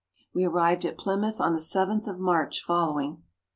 We arrived at Plymouth on the 7th of March following.